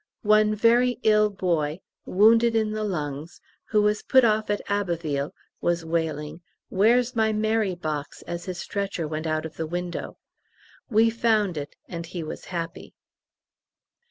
One very ill boy, wounded in the lungs, who was put off at Abbeville, was wailing, "Where's my Mary Box?" as his stretcher went out of the window. We found it, and he was happy.